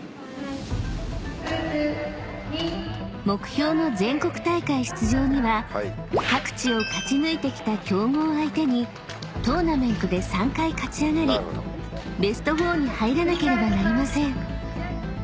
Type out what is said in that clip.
［目標の全国大会出場には各地を勝ち抜いてきた強豪相手にトーナメントで３回勝ち上がりベスト４に入らなければなりません］